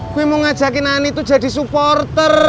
gue mau ngajakin ani itu jadi supporter